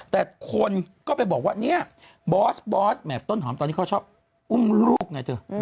แต่คนก็ไปบอกว่าบอสหมายถึงต้นหอมตอนนี้เขาชอบอุ้มลูกไงเถอะ